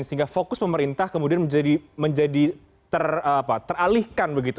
sehingga fokus pemerintah kemudian menjadi teralihkan begitu